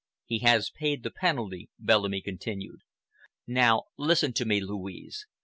"He has paid the penalty," Bellamy continued. "Now listen to me, Louise.